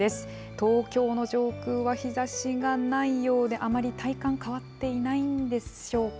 東京の上空は日ざしがないようで、あまり体感変わっていないんでしょうか。